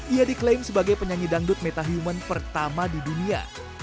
ia diklaim sebagai penyanyi dangdut metahuman pertama di dunia